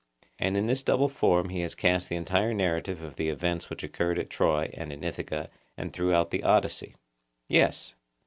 And in this double form he has cast the entire narrative of the events which occurred at Troy and in Ithaca and throughout the Odyssey. Yes.